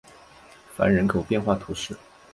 凡人口变化图示